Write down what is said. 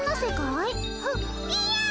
いや！